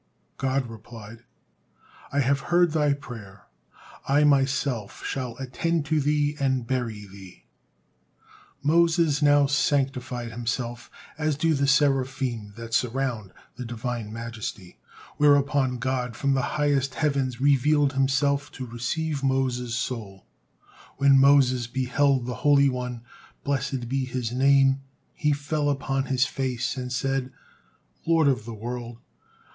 God replied: "I have heard thy prayer. I Myself shall attend to thee and bury thee." Moses now sanctified himself as do the Seraphim that surround the Divine Majesty, whereupon God from the highest heavens revealed Himself to receive Moses' soul. When Moses beheld the Holy One, blessed he His Name, he fell upon his face and said: "Lord of the world!